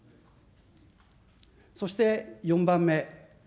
そして、４番目。